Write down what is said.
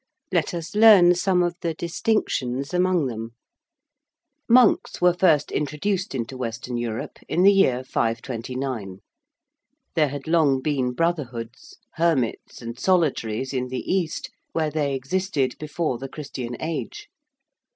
Let us learn some of the distinctions among them. Monks were first introduced into Western Europe in the year 529. There had long been brotherhoods, hermits, and solitaries in the East, where they existed before the Christian age.